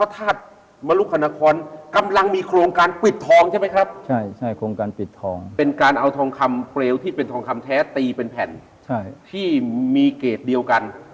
ที่มีเกรดเดียวกัน